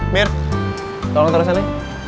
mir tolong taruh sana